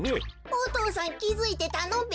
お父さんきづいてたのべ。